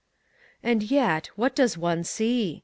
"And yet what does one see?"